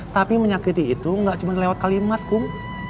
tapi menyakiti itu nggak cuma lewat kalimat kum